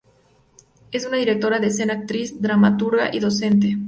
Es una directora de escena, actriz, dramaturga y docente.